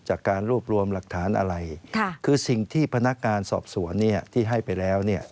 จากการรวบรวมหลักฐานอะไรคือสิ่งที่พนักงานสอบสวนเนี่ยที่ให้ไปแล้วเนี่ย